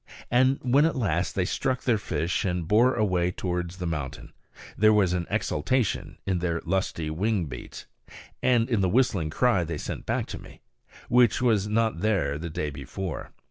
And when at last they struck their fish and bore away towards the mountain, there was an exultation in their lusty wing beats, and in the whistling cry they sent back to me, which was not there the day before.